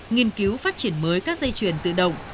nghiên cứu phát triển mới các dây chuyển tự động